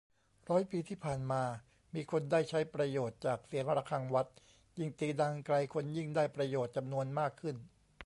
ร้อยปีที่ผ่านมา มีคนได้ใช้ประโยชน์จากเสียงระฆังวัด ยิ่งตีดังไกล คนยิ่งได้ประโยชน์จำนวนมากขึ้น